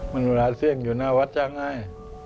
มโนราล่าเสี้ยงอยู่หน้าวัดจังไง